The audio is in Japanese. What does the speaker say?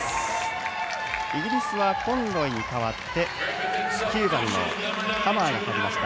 イギリスはコンロイに代わって９番のハマーが入りました。